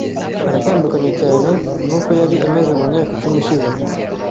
Aratandukanye cyane. nuko yari ameze mu myaka icumi ishize .